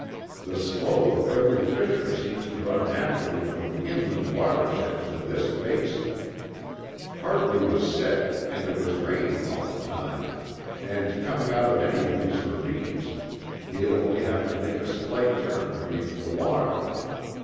"The slope of every fissure seems to run naturally from the inland watershed to this basin. Hartley was sick, and it was raining all the time; and coming out of any of these ravines he'd only have to make a slight turn to reach the water.